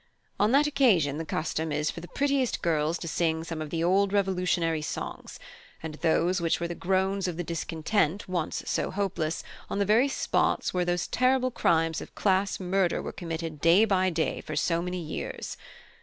On that occasion the custom is for the prettiest girls to sing some of the old revolutionary songs, and those which were the groans of the discontent, once so hopeless, on the very spots where those terrible crimes of class murder were committed day by day for so many years.